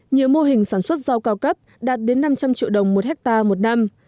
nhiều mô hình sản xuất rau cao cấp đạt đến năm trăm linh triệu đồng một hectare một năm